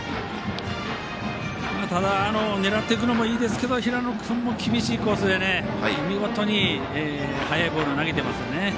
ただ、狙っていくのもいいですけど平野君も厳しいコースで見事に速いボールを投げていますね。